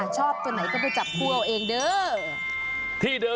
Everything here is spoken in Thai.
ชอบตัวไหนก็ไปจับคู่เอาเองเด้อ